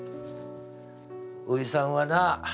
おじさんはな